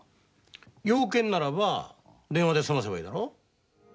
用件ならば電話ですませばいいだろ。